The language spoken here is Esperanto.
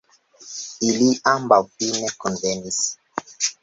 Ili ambaŭ fine kunvenis.